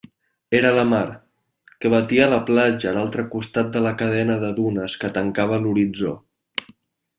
Era la mar, que batia la platja a l'altre costat de la cadena de dunes que tancava l'horitzó.